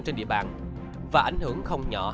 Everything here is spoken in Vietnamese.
trên địa bàn và ảnh hưởng không nhỏ